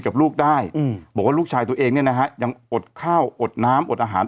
กับลูกได้อืมบอกว่าลูกชายตัวเองเนี่ยนะฮะยังอดข้าวอดน้ำอดอาหาร